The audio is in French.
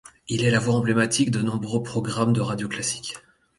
Il est la voix emblématique de nombreux programmes de radio classique.